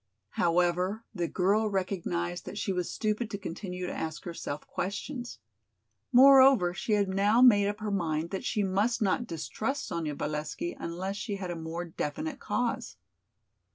However, the girl recognized that she was stupid to continue to ask herself questions. Moreover, she had now made up her mind that she must not distrust Sonya Valesky unless she had a more definite cause.